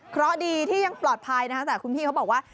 เพราะดีที่ยังปลอดภัยนะคะแต่คุณพี่เขาบอกว่า